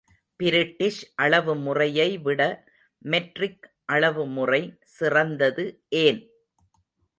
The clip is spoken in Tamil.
பிரிட்டிஷ் அளவுமுறையை விட மெட்ரிக் அளவுமுறை சிறந்தது ஏன்?